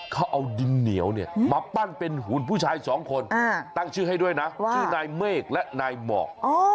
เขาเอาดินเหนียวเนี่ยมาปั้นเป็นหุ่นผู้ชายสองคนตั้งชื่อให้ด้วยนะชื่อนายเมฆและนายหมอก